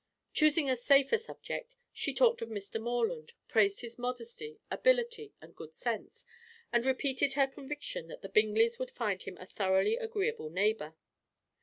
Choosing a safer subject, she talked of Mr. Morland, praised his modesty, ability and good sense, and repeated her conviction that the Bingleys would find him a thoroughly agreeable neighbour.